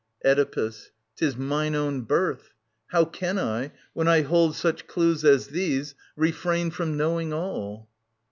Oedipus. Tis mine own birth. How can I, when I hold Such clues as these, refrain from knowing all